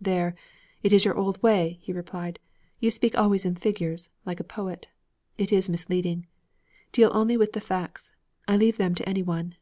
'There! It is your old way,' he replied. 'You speak always in figures, like a poet. It is misleading. Deal only with the facts. I leave them to any one.